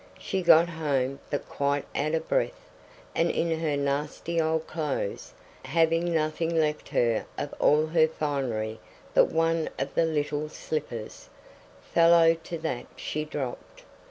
She got home but quite out of breath, and in her nasty old clothes, having nothing left her of all her finery but one of the little slippers, fellow to that she dropped.